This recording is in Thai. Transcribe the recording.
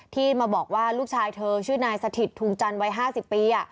ที่มาบอกว่าลูกชายเธอชื่อนายสถิตภูมิจันทร์วัย๕๐ปี